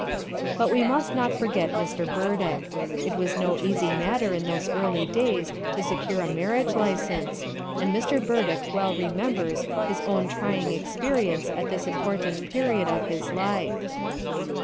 But we must not forget Mr. Burdick. It was no easy matter in those early days to secure a marriage license, and Mr. Burdick well remembers his own trying experience at this important period of his life.